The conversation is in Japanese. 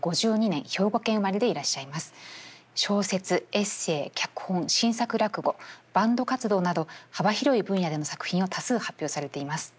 エッセー脚本新作落語バンド活動など幅広い分野での作品を多数発表されています。